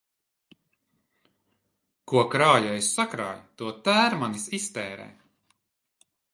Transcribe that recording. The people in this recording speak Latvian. Ko krājējs sakrāj, to tērmanis iztērē.